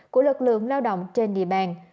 của lực lượng lao động trên địa bàn